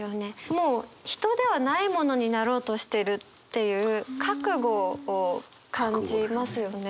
もう人ではないものになろうとしてるっていう覚悟を感じますよね。